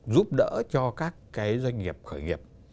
giúp đỡ cho các doanh nghiệp khởi nghiệp